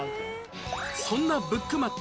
そんなブックマッチ